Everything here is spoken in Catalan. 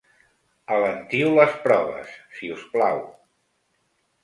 “Alentiu les proves, si us plau!”